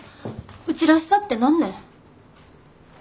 うちらしさって何ね？